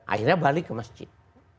akhirnya balik ke masjid